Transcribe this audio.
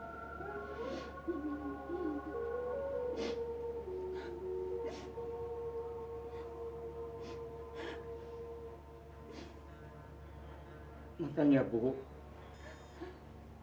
cheese dan hal ini akan hillah hillah